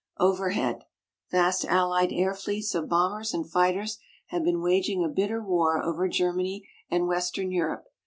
Overhead vast Allied air fleets of bombers and fighters have been waging a bitter air war over Germany and Western Europe.